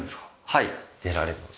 はい出られます。